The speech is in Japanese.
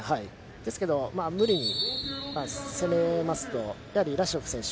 ですけど無理に攻めますとラシドフ選手